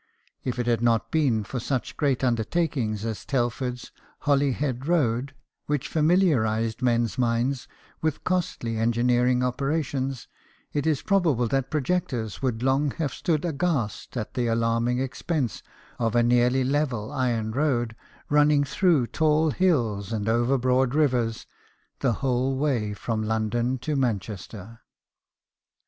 If it had not been for such great undertakings as Telford's Holy head Road, which familiarized men's minds with costly engineering operations, it is probable that projectors would long have stood aghast at the alarming expense of a nearly level iron road running through tall hills and over broad rivers the whole way from London to Manchester.